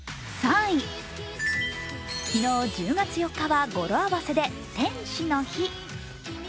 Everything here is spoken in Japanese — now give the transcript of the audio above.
昨日１０月４日は語呂合わせで「１０４の日」。